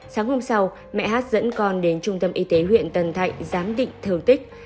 sáng hôm sau mẹ hát dẫn con đến trung tâm y tế huyện tân thạnh giám định thường tích